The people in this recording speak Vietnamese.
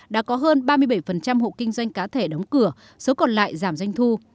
đã có hơn ba mươi bảy hộ kinh doanh cá thể đóng cửa số còn lại giảm doanh thu